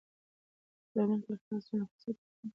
که په تعلیم کې اخلاص وي، نو فساد به کم وي.